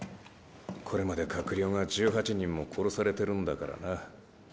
これまで閣僚が１８人も殺されてるんだからな。